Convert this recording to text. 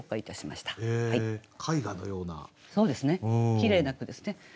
きれいな句ですね。